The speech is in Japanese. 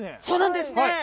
そうなんですね。